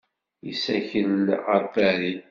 Yessakel ɣer Paris.